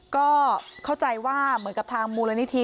ก็เข้าใจว่าเหมือนกับทางมูลนิธิ